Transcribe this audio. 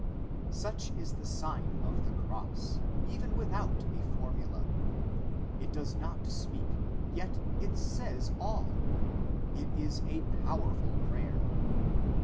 Such is the Sign of the Cross, even without a formula. It does not speak, yet it says all. It is a powerful prayer.